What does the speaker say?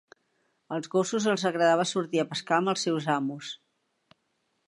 Als gossos els agradava sortir a pescar amb els seus amos.